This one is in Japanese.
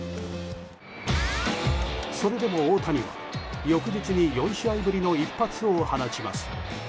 それでも大谷は翌日に４試合ぶりの一発を放ちます。